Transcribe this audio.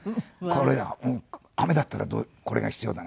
これはもう「雨だったらこれが必要だな」